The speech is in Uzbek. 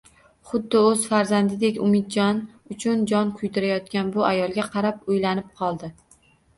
Xuddi o`z farzandidek Umidjon uchun jon kuydirayotgan bu ayolga qarab o`ylanib qoldi